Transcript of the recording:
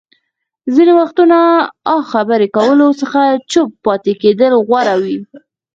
ځينې وختونه اه خبرو کولو څخه چوپ پاتې کېدل غوره وي.